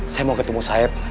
saya mau ketemu saeb